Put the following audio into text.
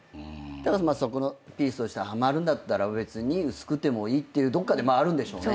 ピースとしてはまるんだったら別に薄くてもいいってどっかであるんでしょうね。